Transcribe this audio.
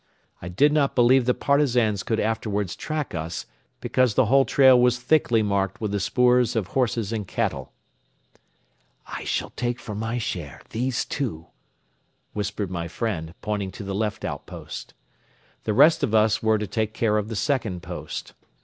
I did not believe the Partisans could afterwards track us because the whole trail was thickly marked with the spoors of horses and cattle. "I shall take for my share these two," whispered my friend, pointing to the left outpost. The rest of us were to take care of the second post.